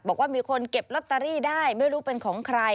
บอกว่ามีคนเก็บลอตเตอรี่ได้ไม่รู้เป็นของใคร